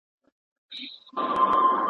، دتعريف په مقابل كې داتعريف محدود دى